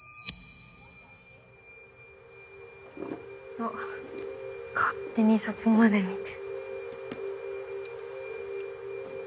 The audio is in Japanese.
あっ勝手にそこまで見て。